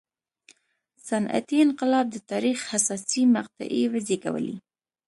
صنعتي انقلاب د تاریخ حساسې مقطعې وزېږولې.